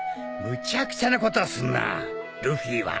むちゃくちゃなことすんなルフィは。